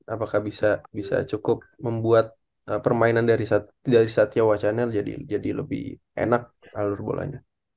apakah bisa cukup membuat permainan dari satya wacana jadi lebih enak alur bolanya